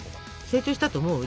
成長したと思う？